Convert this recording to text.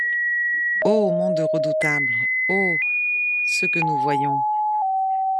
Oh ! monde redoutable ! oh ! ce que nous voyons !